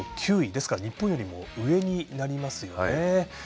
ですから、日本よりも上になりますよね。